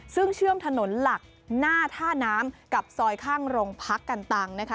ซึ่งเชื่อมถนนหลักหน้าท่าน้ำกับซอยข้างโรงพักกันตังนะคะ